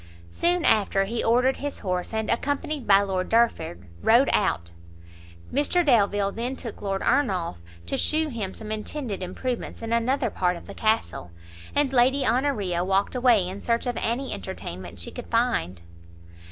Soon after, he ordered his horse, and, accompanied by Lord Derford, rode out. Mr Delvile then took Lord Ernolf to shew him some intended improvements in another part of the castle, and Lady Honoria walked away in search of any entertainment she could find.